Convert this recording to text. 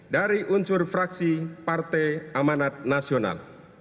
dari unsur fraksi partai amanat nasional